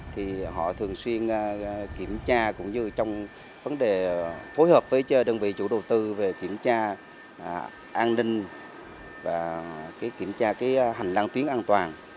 thì họ thường xuyên kiểm tra cũng như trong vấn đề phối hợp với đơn vị chủ đầu tư về kiểm tra an ninh và kiểm tra cái hành lang tuyến an toàn